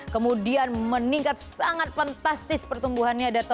kemudian meningkat sangat fantastis pertumbuhannya